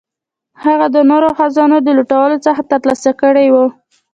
هغه د نورو خزانو د لوټلو څخه ترلاسه کړي وه.